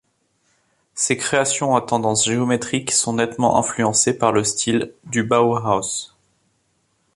Ses créations à tendances géométriques sont nettement influencés par le style du Bauhaus.